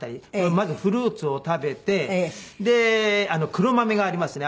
まずフルーツを食べてで黒豆がありますね。